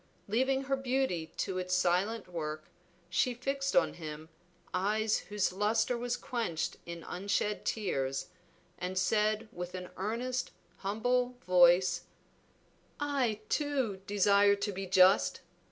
Leaving her beauty to its silent work, she fixed on him eyes whose lustre was quenched in unshed tears, and said with an earnest, humble voice "I, too, desire to be just.